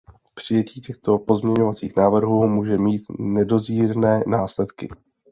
Přijetí těchto pozměňovacích návrhů může mít nedozírné následky.